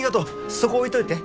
そこ置いといて。